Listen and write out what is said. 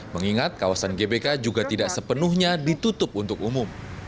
mengingat kawasan gbk juga tidak sepenuhnya ditutup untuk umum